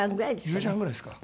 １０時半ぐらいですか。